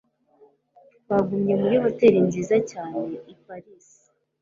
Twagumye muri hoteri nziza cyane i Paris.